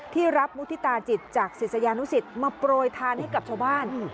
ที่รับมุฒิตาจิตจากศิษยานุสิตมาโปรยทานให้กับชาวบ้าน